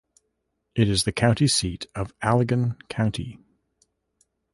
It is the county seat of Allegan County.